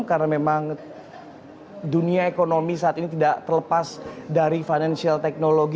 karena memang dunia ekonomi saat ini tidak terlepas dari financial technology